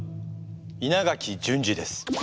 稲垣淳二です。